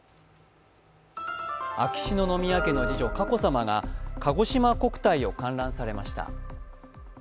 秋篠宮家の次女・佳子さまがかごしま国体を観覧されました。